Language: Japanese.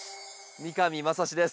三上真史です。